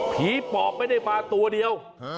ปอบไม่ได้มาตัวเดียว